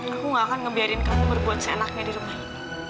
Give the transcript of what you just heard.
aku gak akan ngebiarin kamu berbuat seenaknya di rumah ini